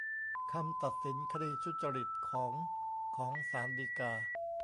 คำตัดสินคดีทุจริตของของศาลฎีกา